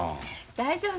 大丈夫。